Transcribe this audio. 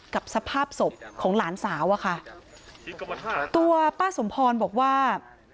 สภาพศพของหลานสาวอะค่ะตัวป้าสมพรบอกว่า